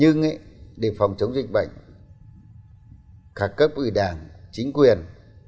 nhưng để phòng chống dịch bệnh khả cấp ủy đảng chính quyền